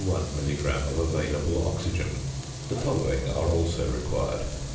equals 0.1 milligram of available oxygen. The following are also required: 1.